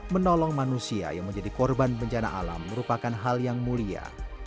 menolong manusia yang menjadi korban bencana alam merupakan hal yang mulia